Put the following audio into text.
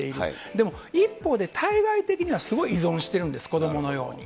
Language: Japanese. でも、一方で対外的にはすごい依存してるんです、子どものように。